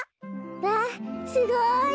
わあすごい！